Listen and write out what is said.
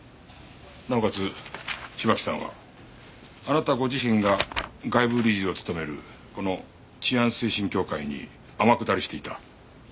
なおかつ芝木さんはあなたご自身が外部理事を務めるこの治安推進協会に天下りしていた。